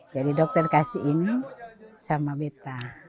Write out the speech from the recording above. jadi dokter kasih ini sama kita